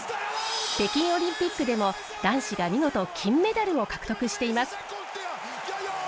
北京オリンピックでも男子が見事金メダルを獲得しています。